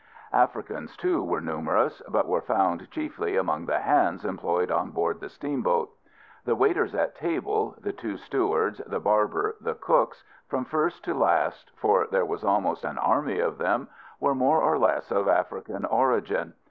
Africans, too, were numerous; but were found chiefly among the "hands" employed on board the steamboat. The waiters at table, the two stewards, the barber, the cooks, from first to last, for there was almost an army of them, were more or less of African origin.